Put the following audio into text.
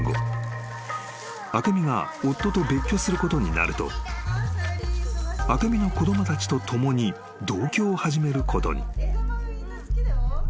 ［明美が夫と別居することになると明美の子供たちと共に同居を始めることに］